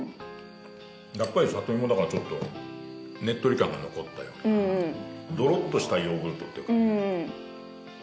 やっぱり里芋だからちょっとねっとり感が残ったようなどろっとしたヨーグルトっていうか。